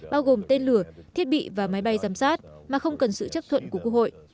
bao gồm tên lửa thiết bị và máy bay giám sát mà không cần sự chấp thuận của quốc hội